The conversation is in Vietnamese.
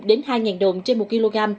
đến hai đồng trên một kg